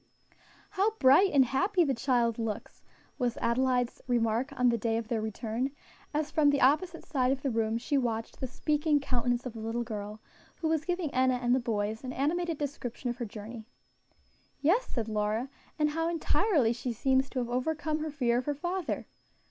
"How bright and happy the child looks!" was Adelaide's remark on the day of their return, as, from the opposite side of the room, she watched the speaking countenance of the little girl, who was giving Enna and the boys an animated description of her journey. "Yes," said Lora, "and how entirely she seems to have overcome her fear of her father!"